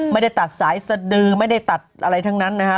ไม่ได้ตัดสายสดือไม่ได้ตัดอะไรทั้งนั้นนะฮะ